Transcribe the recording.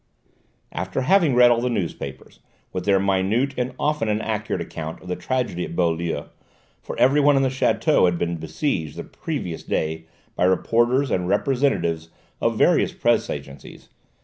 After having read all the newspapers, with their minute and often inaccurate account of the tragedy at Beaulieu for everyone in the château had been besieged the previous day by reporters and representatives of various press agencies M.